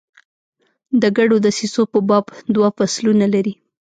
د ګډو دسیسو په باب دوه فصلونه لري.